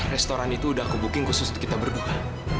restoran itu udah aku booking khusus untuk kita berduka